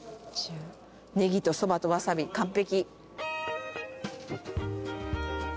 ねぎとそばとわさび完璧。